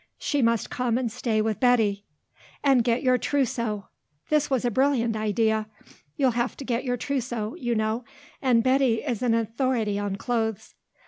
She must come and stay with Betty. "And get your trousseau"; this was a brilliant idea. "You'll have to get your trousseau, you know, and Betty is an authority on clothes."